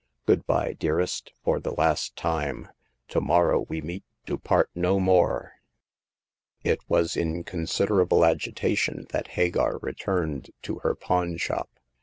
Good by, dearest, for the last time. To morrow w^e meet to part no more." It was in considerable agitation that Hagar re turned to her pawn shop.